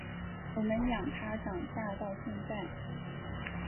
我们养他长大到现在